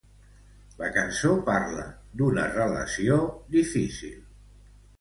La cançó parla d'una relació difícil.